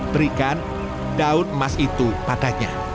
berikan daun emas itu padanya